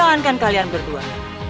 jangan kalian berdua